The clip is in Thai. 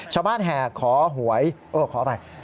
ชาวบ้านแห่ขอหวยโอ๊ยขออะไร